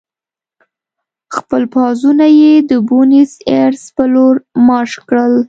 خپل پوځونه یې د بونیس ایرس په لور مارش کړل.